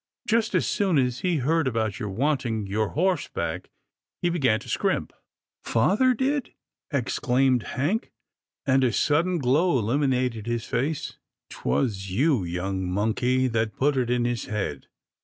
Just as soon as he heard about your wanting your horse back, he began to scrimp." " Father did !" exclaimed Hank, and a sudden glow illuminated his face. " 'Twas you, young monkey, that put it in his head."